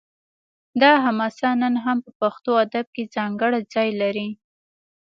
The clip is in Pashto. دا حماسه نن هم په پښتو ادب کې ځانګړی ځای لري